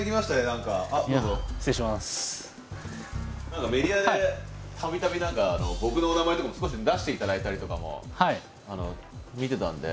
何かメディアでたびたび何か僕の名前とかも少し出していただいたりとかも見てたんで。